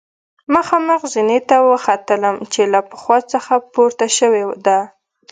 مخامخ زینې ته وختلم چې له پخوا څخه پورته شوې ده.